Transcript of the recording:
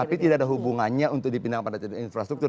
tapi tidak ada hubungannya untuk dipindahkan pada infrastruktur